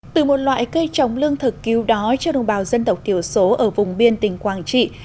từ một loại cây trồng lương thực cứu đói cho đồng bào dân tộc thiểu số ở vùng biên tỉnh quảng trị